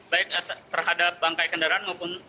baik terhadap bangkai kendaraan maupun